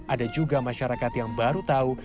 ada juga masyarakat yang baru tahu